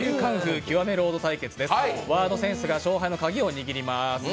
ワードセンスが勝敗の鍵を握ります。